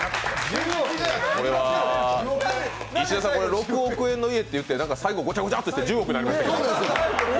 石田さん、これ６億円の家とか行って最後、ごちゃごちゃーとして最後１０億円になりましたけど。